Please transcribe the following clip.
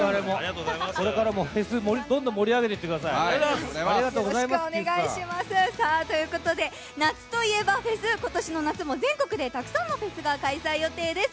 これからもフェス、どんどん盛り上げてってください。ということで夏といえばフェス、今年の夏も全国でたくさんのフェスが開催予定です。